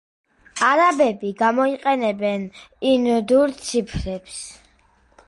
არაბები გამოიყენებენ ინდურ ციფრებს.